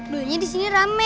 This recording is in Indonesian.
doanya disini rame